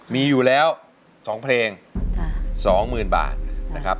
มีอยู่แล้ว๒เพลง๒๐๐๐บาทนะครับ